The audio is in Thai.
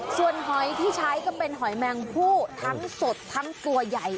ส่วนหอยที่ใช้ก็เป็นหอยแมงผู้ทั้งสดทั้งตัวใหญ่